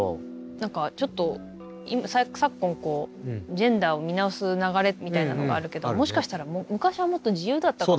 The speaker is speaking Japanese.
何かちょっと昨今ジェンダーを見直す流れみたいなのがあるけどもしかしたら昔はもっと自由だったかも。